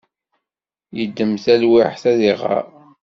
Yeddem talwiḥt ad iɣer.